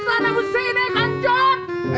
siapa yang bola theex diesketsat